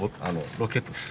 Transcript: ロケットです。